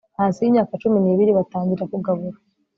hasi yimyaka cumi nibiri Batangira kugabura